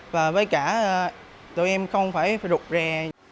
và với cả tụi em không phải rụt rè